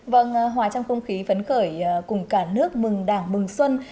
vâng hòa trong không khí phấn khởi cùng cả nước mừng đảng mừng xuân